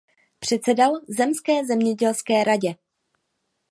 Předsedal zemské zemědělské radě.